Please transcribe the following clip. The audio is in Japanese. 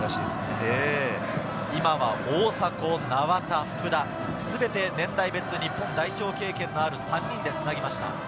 大迫、名和田、福田、全て年代別日本代表経験のある３人でつなぎました。